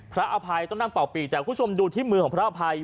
พระอภัยต้องนั่งเป่าปีกแต่คุณผู้ชมดูที่มือของพระอภัย